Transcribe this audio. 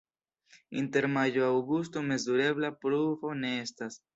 Inter majo-aŭgusto mezurebla pluvo ne estas.